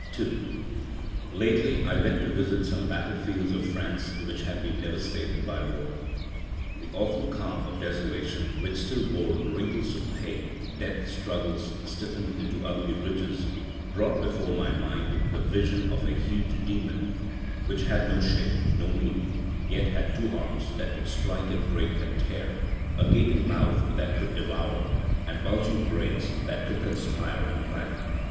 II Lately I went to visit some battlefields of France which had been devastated by war. The awful calm of desolation, which still bore wrinkles of pain—death struggles stiffened into ugly ridges—brought before my mind the vision of a huge demon, which had no shape, no meaning, yet had two arms that could strike and break and tear, a gaping mouth that could devour, and bulging brains that could conspire and plan.